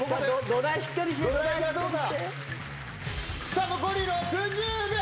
さあ残り６０秒。